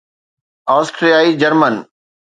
آسٽريائي German